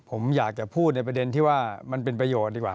ผมอยากจะพูดในประเด็นที่ว่ามันเป็นประโยชน์ดีกว่า